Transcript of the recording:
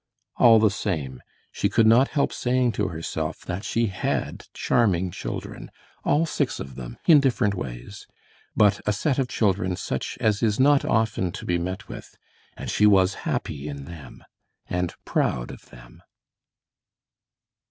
All the same, she could not help saying to herself that she had charming children, all six of them in different ways, but a set of children such as is not often to be met with, and she was happy in them, and proud of them.